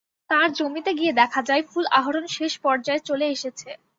তাঁর জমিতে গিয়ে দেখা যায়, ফুল আহরণ শেষ পর্যায়ে চলে এসেছে।